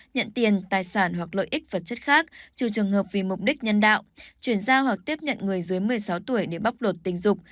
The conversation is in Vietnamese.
nhận tiền tài sản hoặc lợi ích vật chất khác trừ trường hợp vì mục đích nhân đạo chuyển giao hoặc tiếp nhận người dưới một mươi sáu tuổi để bóc lột tình dục